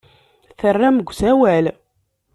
Terram deg usawal.